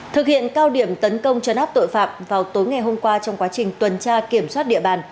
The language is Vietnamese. thực hiện cao điểm tấn công chấn áp tội phạm vào tối ngày hôm qua trong quá trình tuần tra kiểm soát địa bàn